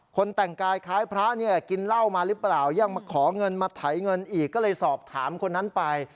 แต่งกายคล้ายพระเนี่ยกินเหล้ามาหรือเปล่ายังมาขอเงินมาไถเงินอีกก็เลยสอบถามคนนั้นไป